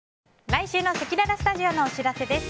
来週のせきららスタジオのお知らせです。